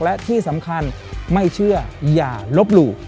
และที่สำคัญไม่เชื่ออย่าลบหลู่